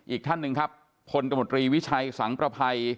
อีกท่านหนึ่งครับพลตมตรีวิชัยสังประภัย